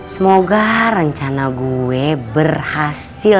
semoga rencana gue berhasil